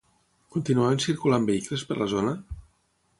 Continuaven circulant vehicles per la zona?